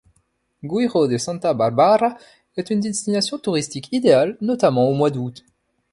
Guijo de Santa Bárbara est une destination touristique idéale, notamment au mois d'août.